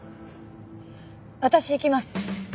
私行きます。